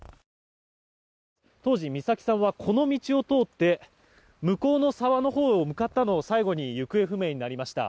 当時、美咲さんはこの道を通って向こうの沢のほうに向かったのを最後に行方不明になりました。